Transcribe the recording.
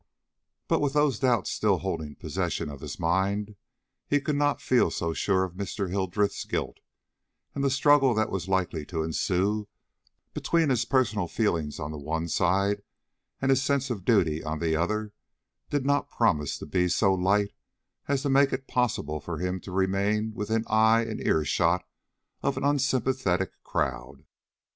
But with those doubts still holding possession of his mind, he could not feel so sure of Mr. Hildreth's guilt; and the struggle that was likely to ensue between his personal feelings on the one side and his sense of duty on the other did not promise to be so light as to make it possible for him to remain within eye and earshot of an unsympathetic crowd.